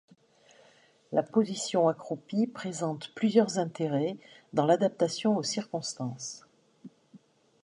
La position accroupie présente plusieurs intérêts dans l'adaptation aux circonstances.